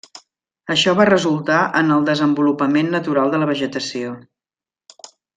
Això va resultar en el desenvolupament natural de la vegetació.